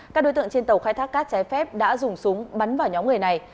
các đối tượng trên tàu khai thác cát trái phép đã dùng súng bắn vào nhóm người này